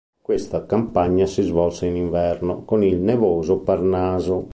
Questa campagna si svolse in inverno, con il nevoso Parnaso.